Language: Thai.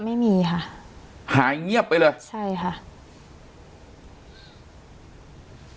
ไม่มีค่ะหายเงียบไปเลยใช่ค่ะ